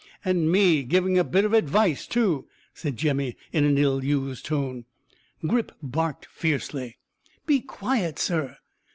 "And me giving a bit of advice too," said Jemmy in an ill used tone. Grip barked fiercely. "Be quiet, sir!"